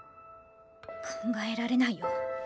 考えられないよ